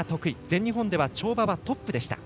全日本では跳馬はトップでした。